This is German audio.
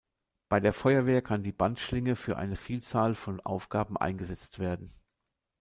Bei der Feuerwehr kann die Bandschlinge für eine Vielzahl von Aufgaben eingesetzt werden.